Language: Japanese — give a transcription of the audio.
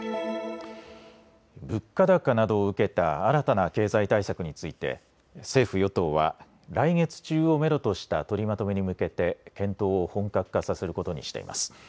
物価高などを受けた新たな経済対策について政府与党は来月中をめどとした取りまとめに向けて検討を本格化させることにしています。